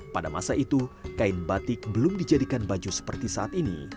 pada masa itu kain batik belum dijadikan baju seperti saat ini